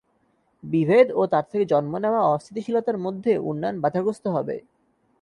বিভেদ ও তার থেকে জন্ম নেওয়া অস্থিতিশীলতার মধ্যে উন্নয়ন বাধাগ্রস্ত হবে।